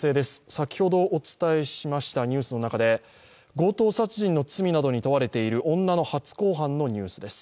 先ほどお伝えしましたニュースの中で、強盗殺人の罪などに問われている女の初公判のニュースです。